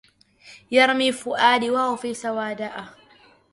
يرمي فؤادي وهو في سودائه